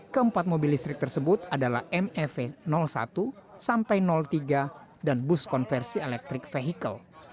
keempat mobil listrik tersebut adalah mev satu sampai tiga dan bus konversi elektrik vehicle